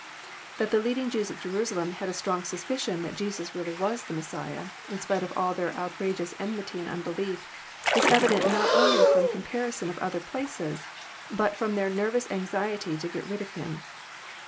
That the leading Jews at Jerusalem had a strong suspicion that Jesus really was the Messiah, in spite of all thefr out rageous enmity and unbelief, is evident not only Arom compari son of other places, but from their nervous anxiety to get rid of Him.